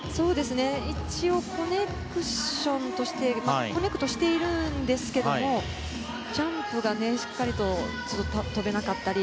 一応、コネクションとしてコネクトしているんですがジャンプがしっかりと跳べなかったり。